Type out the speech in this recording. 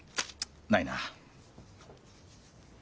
ないな。